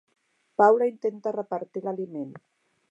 Paula intenta repartir l'aliment.